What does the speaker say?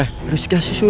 harus kasih susu yah